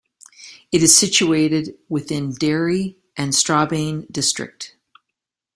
It is situated within Derry and Strabane district.